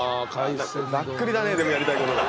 ざっくりだねやりたいことが。